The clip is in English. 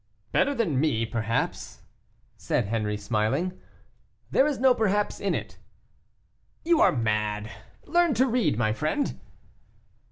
"Better than me, perhaps," said Henri, smiling. "There is no perhaps in it." "You are mad. Learn to read, my friend."